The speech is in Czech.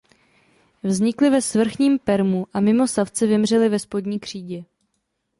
Vznikli ve svrchním permu a mimo savce vymřeli ve spodní křídě.